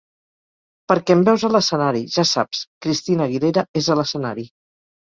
Perquè em veus a l'escenari, ja saps, "Christina Aguilera és a l'escenari.